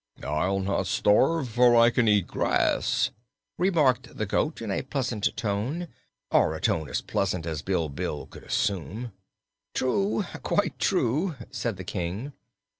"I'll not starve, for I can eat grass," remarked the goat in a pleasant tone or a tone as pleasant as Bilbil could assume. "True, quite true," said the King.